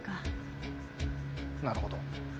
なるほど。